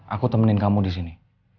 aku temenin kamu disini